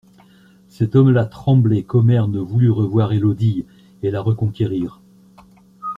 Cet homme-là tremblait qu'Omer ne voulût revoir Élodie, et la reconquérir.